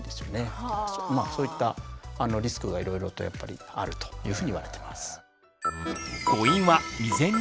そういったリスクがいろいろとやっぱりあるというふうにいわれてます。